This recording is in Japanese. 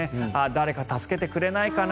誰か助けてくれないかな。